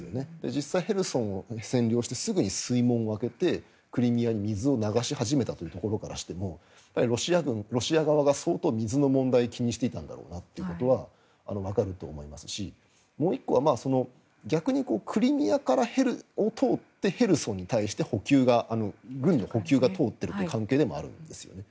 実際、ヘルソンを占領してすぐに水門を開けてクリミアに水を流し始めたというところからしてもロシア側が相当、水の問題を気にしていたんだろうなということはわかると思いますしもう１個は逆にクリミアを通ってヘルソンに対して軍の補給が通っているという関係でもあるんですよね。